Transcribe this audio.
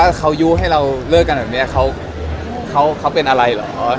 ถ้าเขายุ่งให้เราเลิกกันแบบนี้